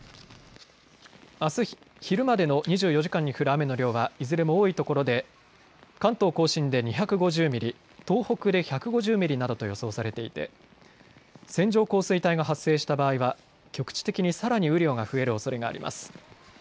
あす昼までの２４時間に降る雨の量はいずれも多いところで関東甲信で２５０ミリ、東北で１５０ミリなどと予想されていて線状降水帯が発生した場合は局地的にさらに雨量が増えるおそれがあります。